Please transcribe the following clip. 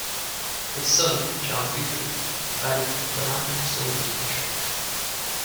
His son, Charles Buford, divided up the land and sold it in tracts.